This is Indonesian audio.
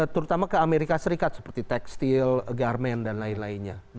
terutama ke amerika serikat seperti tekstil garmen dan lain lainnya